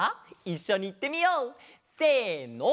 いっしょにいってみよう！せの。